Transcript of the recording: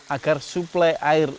agar suplai air untuk masyarakat